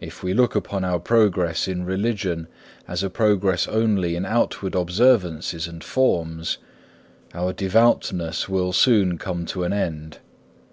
If we look upon our progress in religion as a progress only in outward observances and forms, our devoutness will soon come to an end.